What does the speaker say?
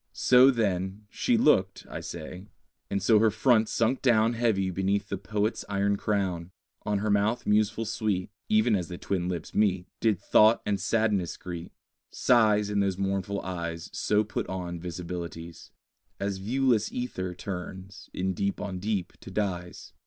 So, then, she looked (I say); And so her front sunk down Heavy beneath the poet's iron crown: On her mouth museful sweet (Even as the twin lips meet) Did thought and sadness greet: Sighs In those mournful eyes So put on visibilities; As viewless ether turns, in deep on deep, to dyes.